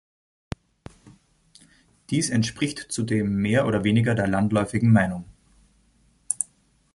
Dies entspricht zudem mehr oder weniger der landläufigen Meinung.